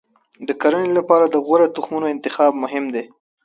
د کرنې لپاره د غوره تخمونو انتخاب مهم دی.